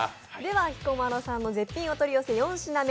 彦摩呂さんの絶品お取り寄せ４品目